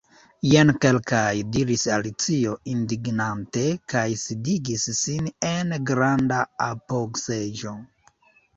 "Jen kelkaj " diris Alicio indignante, kaj sidigis sin en granda apogseĝo.